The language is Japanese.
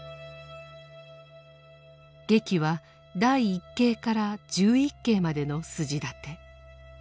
劇は第一景から十一景までの筋立て。